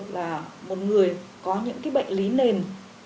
là một người có những cái bệnh lý nền